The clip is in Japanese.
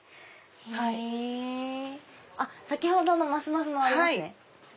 先ほどのます万寿もありますね。